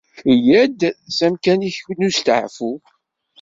Eyya-d s amkan-ik n usteɛfu.